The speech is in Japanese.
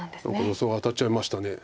予想が当たっちゃいました。